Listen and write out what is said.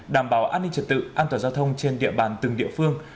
đảm bảo an ninh trật tự an toàn giao thông trên địa bàn từng địa phương